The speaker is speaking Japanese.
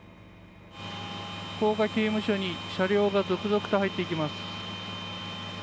福岡刑務所に車両が続々と入っていきます。